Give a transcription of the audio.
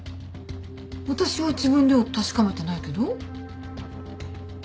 私は自分では確かめてないけど？